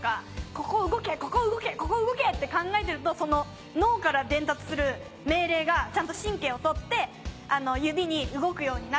「ここ動けここ動けここ動け！」って考えてるとその脳から伝達する命令がちゃんと神経を通って指に動くようになったりとか。